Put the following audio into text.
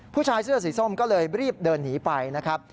ผู้ชายเสื้อสีส้มก็เลยรีบเดินหนีไปนะครับ